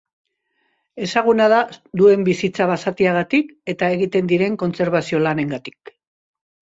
Ezaguna da duen bizitza basatiagatik eta egiten diren kontserbazio lanengatik.